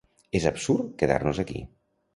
És absurd quedar-nos aquí.